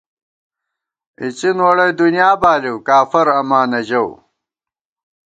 * اِڅِن ووڑئی دنیا بالِیؤ، کافراماں نہ ژَؤ